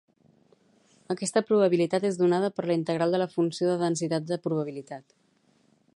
Aquesta probabilitat és donada per la integral de la funció de densitat de probabilitat